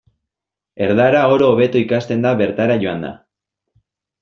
Erdara oro hobeto ikasten da bertara joanda.